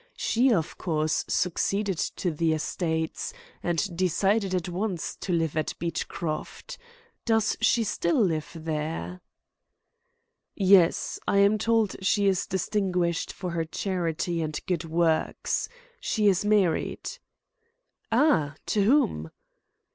She, of course, succeeded to the estates, and decided at once to live at Beechcroft. Does she still live there?" "Yes. I am told she is distinguished for her charity and good works. She is married." "Ah! To whom?"